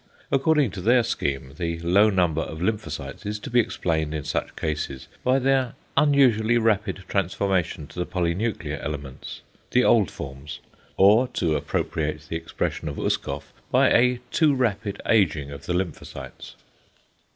According to their scheme the low number of lymphocytes is to be explained in such cases by their unusually rapid transformation to the polynuclear elements the old forms; or to appropriate the expression of Uskoff, by a too rapid ageing of the lymphocytes.